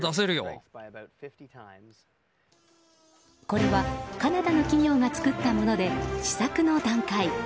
これはカナダの企業が作ったもので、試作の段階。